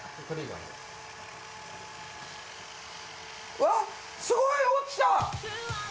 うわっすごい落ちた！